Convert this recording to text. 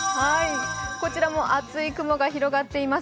こちらも厚い雲が広がっています。